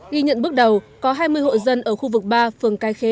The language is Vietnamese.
ghi nhận bước đầu có hai mươi hộ dân ở khu vực ba phường cái khế